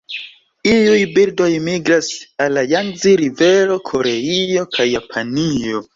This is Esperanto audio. Iuj birdoj migras al la Jangzi-rivero, Koreio, kaj Japanio.